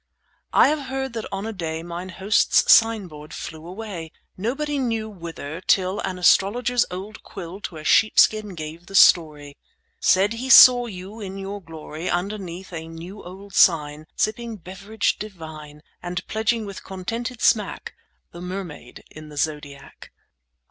I have heard that on a day Mine host's sign board flew away, Nobody knew whither, till An astrologer's old quill To a sheepskin gave the story, Said he saw you in your glory, Underneath a new old sign Sipping beverage divine, 20 And pledging with contented smack The Mermaid in the Zodiac.